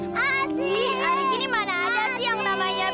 wih hari gini mana ada sih yang namanya bidan